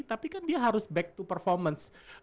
tapi kan dia harus back to performance